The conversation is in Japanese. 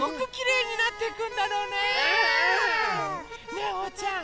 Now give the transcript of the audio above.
ねえおうちゃん！